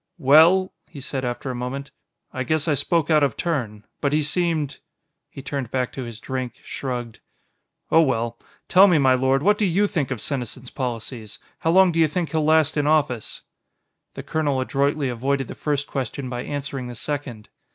"Well," he said after a moment, "I guess I spoke out of turn. But he seemed ..." He turned back to his drink, shrugged. "Oh, well. Tell me, my lord, what do you think of Senesin's policies? How long do you think he'll last in office?" The colonel adroitly avoided the first question by answering the second.